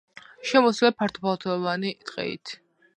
შემოსილია ფართოფოთლოვანი ტყით.